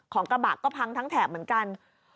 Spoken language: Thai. กระบะก็พังทั้งแถบเหมือนกัน